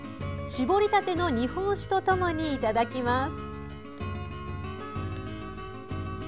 しぼりたての日本酒とともにいただきます。